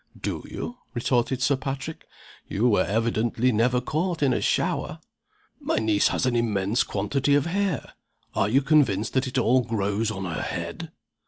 "Do you?" retorted Sir Patrick. "You were evidently never caught in a shower. My niece has an immense quantity of hair. Are you convinced that it all grows on her head?"